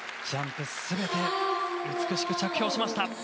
ジャンプ全て美しく着氷しました。